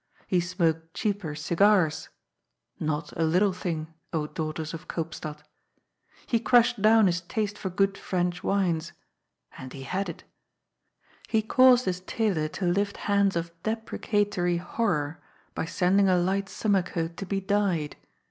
He smoked cheaper cigars — ^not a little thing, daughters of Koopstad! — ^he crushed down his taste for good French wines (and he had it) ; he caused his tailor to lift hands of deprecatory horror by sending a light summer coat to be dyed.